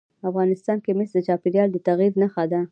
افغانستان کې مس د چاپېریال د تغیر نښه ده.